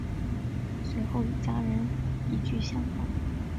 随后与家人移居香港。